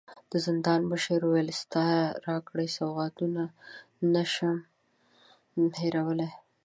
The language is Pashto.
د زندان مشر وويل: ستا راکړي سوغاتونه نه شم هېرولی.